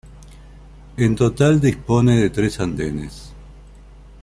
En total dispone de tres andenes.